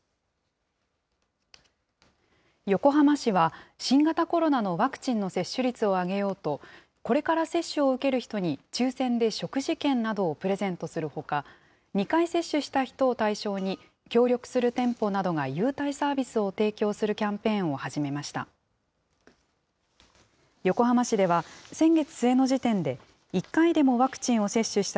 横浜市は、新型コロナのワクチンの接種率を上げようと、これから接種を受ける人に抽せんで食事券などをプレゼントするほか、２回接種した人を対象に、協力する店舗などが優待サービスを提供するキャンペーンを始めました。